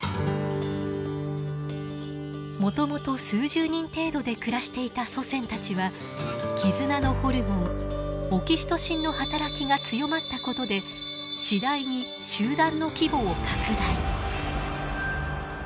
もともと数十人程度で暮らしていた祖先たちは絆のホルモンオキシトシンの働きが強まったことで次第に集団の規模を拡大。